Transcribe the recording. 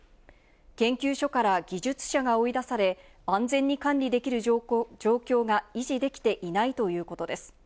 研究所から技術者が追い出され、安全に管理できる状況が維持できていないということです。